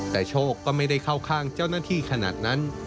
แต่โชคก็ไม่ได้เข้าข้างเจ้าหน้าที่ขนาดนั้น